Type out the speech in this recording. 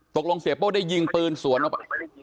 ตกลงเสียโป้ได้ยิงปืนสวนออกมา